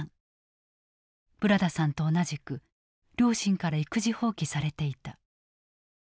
ブラダさんと同じく両親から育児放棄されていた。